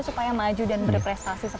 supaya maju dan berprestasi